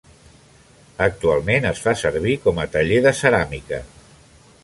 Actualment es fa servir com a taller de ceràmica.